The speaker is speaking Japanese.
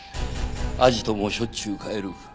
アジトもしょっちゅう変える。